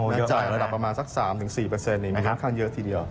แล้วใจประมาณสัก๓๔นี่ค่อนข้างเยอะทีเดียว